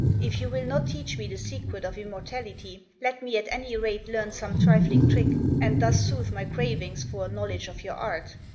If you will not teach me the secret of Immortality, let me at any rate learn some trifling trick, and thus soothe my cravings for a knowledge of your art.